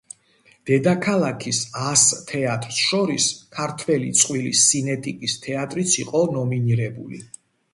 დედაქალაქის ას თეატრს შორის ქართველი წყვილის სინეტიკის თეატრიც იყო ნომინირებული.